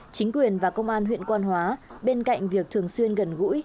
chính quyền và công an huyện quan hóa bên cạnh việc thường xuyên gần gũi